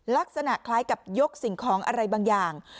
ลักษณะคล้ายกับยกสิ่งของอะไรบางอย่าง